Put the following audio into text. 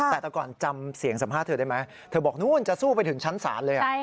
แต่แต่ก่อนจำเสียงสัมภาษณ์เธอได้ไหมเธอบอกนู้นจะสู้ไปถึงชั้นศาลเลย